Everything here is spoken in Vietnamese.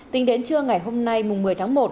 tính đến trưa ngày hôm nay một mươi tháng một